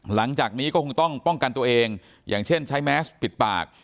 หลังจากนี้ก็คงต้องป้องกันตัวเองอย่างเช่นใช้แมสปิดปาก